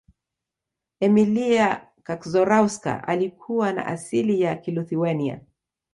emilia kaczorowska alikuwa na asili ya kiluthiwania